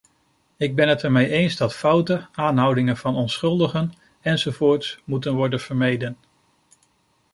Ik ben het ermee eens dat fouten, aanhoudingen van onschuldigen enzovoorts moeten worden vermeden.